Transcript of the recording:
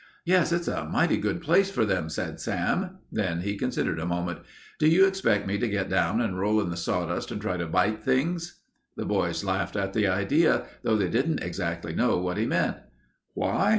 "Yes, it's a mighty good place for them," said Sam. Then he considered a moment. "Do you expect me to get down and roll in the sawdust and try to bite things?" The boys laughed at the idea, though they didn't exactly know what he meant. "Why?"